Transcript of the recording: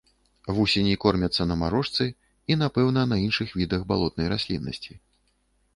Вусені кормяцца на марошцы і, напэўна, на іншых відах балотнай расліннасці.